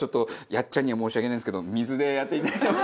やっちゃんには申し訳ないんですけど水でやっていただいても。